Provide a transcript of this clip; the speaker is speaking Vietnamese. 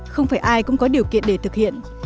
không phải ai cũng có điều kiện để thực hiện